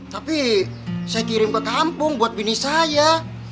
tapi saya kirim ke kampung buat binih saya